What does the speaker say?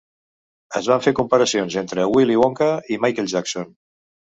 Es van fer comparacions entre Willy Wonka i Michael Jackson.